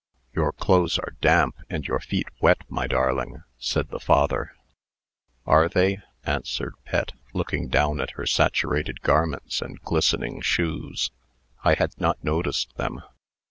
"Your clothes are damp, and your feet wet, my darling," said the father, "Are they?" answered Pet, looking down at her saturated garments and glistening shoes. "I had not noticed them.